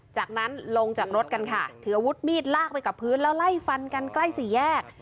จากนั้นลงจากรถกันค่ะถืออาวุธมีดลากไปกับพื้นแล้วไล่ฟันกันใกล้สี่แยก